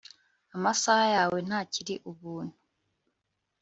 amasaha yawe ntakiri ubuntu